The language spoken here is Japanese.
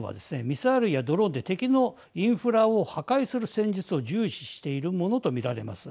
ミサイルやドローンで敵のインフラを破壊する戦術を重視しているものと見られます。